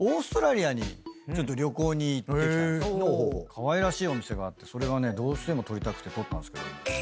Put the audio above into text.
かわいらしいお店があってそれがねどうしても撮りたくて撮ったんすけども。